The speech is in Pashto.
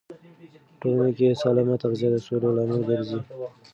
په ټولنه کې سالمه تغذیه د سولې لامل ګرځي.